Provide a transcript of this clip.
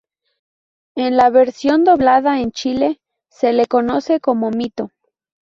En la versión doblada en Chile, se le conoce como Mito.